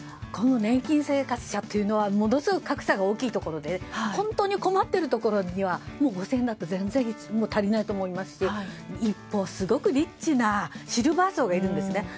この年金生活者というのはものすごく格差が大きいところで本当に困っているところにはもう５０００円なんて全然足りないと思いますし一方、すごくリッチなシルバー層がいるんですね。